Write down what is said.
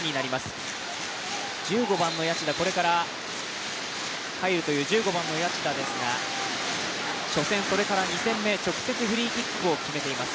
これから入るという１５番の谷内田ですが初戦、２戦目、直接フリーキックを決めています。